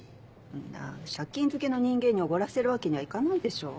そんな借金漬けの人間におごらせるわけにはいかないでしょ。